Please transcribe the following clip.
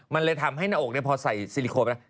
มันเลยทำให้หน้าอกพอใส่ซิลิโคนไปแล้ว